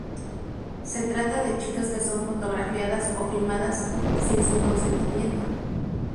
Se trata de chicas que son fotografiadas o filmadas sin su consentimiento.